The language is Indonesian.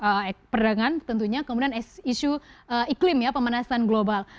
isu imigrasi isu perdagangan tentunya kemudian isu iklim ya pemanasan global